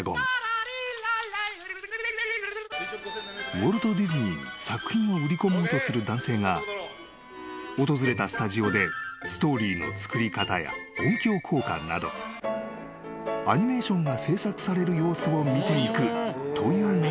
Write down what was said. ［ウォルト・ディズニーに作品を売り込もうとする男性が訪れたスタジオでストーリーの作り方や音響効果などアニメーションが制作される様子を見ていくという内容なのだが］